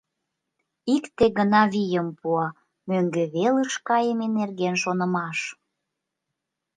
Икте гына вийым пуа: мӧҥгӧ велыш кайыме нерген шонымаш.